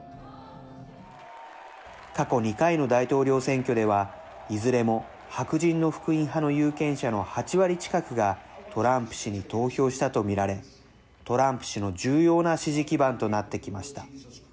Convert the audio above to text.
過去２回の大統領選挙ではいずれも白人の福音派の有権者の８割近くがトランプ氏に投票したと見られトランプ氏の重要な支持基盤となってきました。